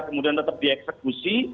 kemudian tetap dieksekusi